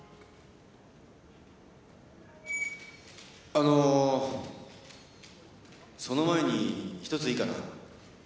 あのその前に１ついいかな。